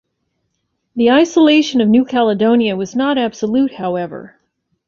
The isolation of New Caledonia was not absolute, however.